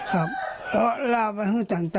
ครับแล้วเรามาซื้อกิน